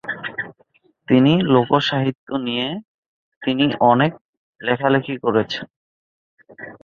তিনি লোকসাহিত্য নিয়ে তিনি অনেক লেখালেখি করেছিলেন।